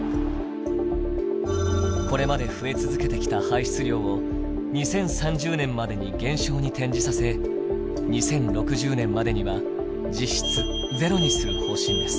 これまで増え続けてきた排出量を２０３０年までに減少に転じさせ２０６０年までには実質ゼロにする方針です。